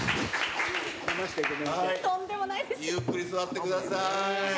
ゆっくり座ってください。